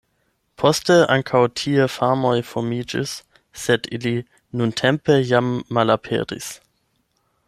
Poste ankaŭ tie farmoj formiĝis, sed ili nuntempe jam malaperis.